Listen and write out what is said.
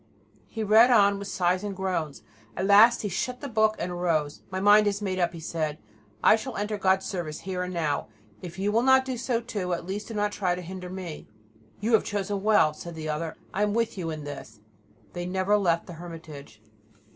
He read on, with sighs and groans. At last he shut the book and arose. "My mind is made up," he said; "I shall enter God's service here and now. If you will not do so too, at least do not try to hinder me." "You have chosen well," said the other; "I am with you in this." They never left the hermitage.